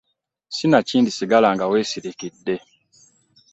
Sinakindi sigala nga we sirikidde.